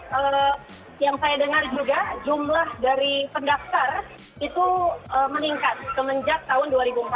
jadi memang yang saya dengar juga jumlah dari pendaftar itu meningkat semenjak tahun dua ribu empat belas